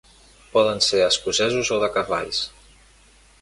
Poden ser escocesos o de cavalls.